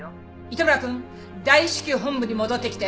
糸村くん大至急本部に戻ってきて。